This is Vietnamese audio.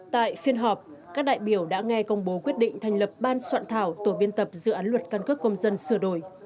tại phiên họp các đại biểu đã nghe công bố quyết định thành lập ban soạn thảo tổ biên tập dự án luật căn cước công dân sửa đổi